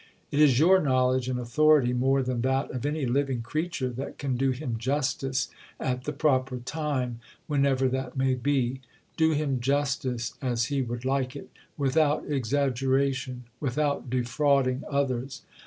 It is your knowledge and authority more than that of any living creature that can do him justice, at the proper time, whenever that may be do him justice, as he would like it, without exaggeration, without defrauding others.